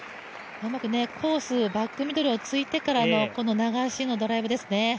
うまくコース、バックミドルをついてからの流しのドライブですね。